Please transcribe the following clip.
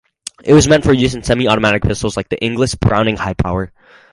It was meant for use in semi-automatic pistols like the Inglis Browning Hi-Power.